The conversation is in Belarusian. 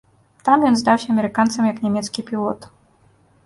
Там ён здаўся амерыканцам як нямецкі пілот.